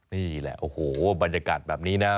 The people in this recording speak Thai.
นี่แหละโอ้โหบรรยากาศแบบนี้นะ